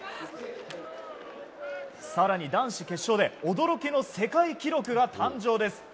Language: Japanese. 更に、男子決勝で驚きの世界記録が誕生です。